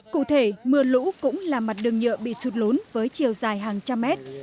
cụ thể mưa lũ cũng là mặt đường nhựa bị sụt lún với chiều dài hàng trăm mét